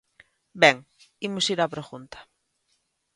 Ben, imos ir á pregunta.